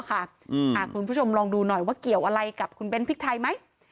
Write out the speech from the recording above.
คุณผู้ชมลองดูหน่อยว่าเกี่ยวอะไรกับคุณเบ้นพริกไทยไหม